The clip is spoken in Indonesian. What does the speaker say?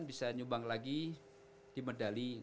bisa nyumbang lagi di medali